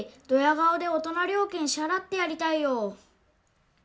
顔で大人料金支払ってやりたいよ。